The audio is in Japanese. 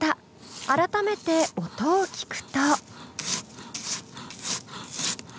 改めて音を聞くと。